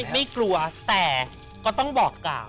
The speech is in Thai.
ไม่กลัวแต่ก็ต้องบอกกล่าว